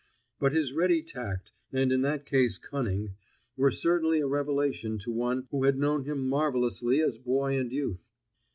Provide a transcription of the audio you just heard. But his ready tact, and in that case cunning, were certainly a revelation to one who had known him marvelously as boy and youth.